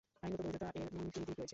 আইনগত বৈধতা: এর দুইটি দিক রয়েছে।